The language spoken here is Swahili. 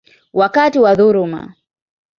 wakati wa dhuluma.